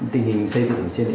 tình hình xây dựng trên đây